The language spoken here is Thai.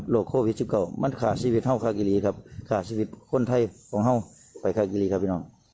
โลกโควิด๑๙เขาจะลดใจพังชีัติในห้าคาเกลี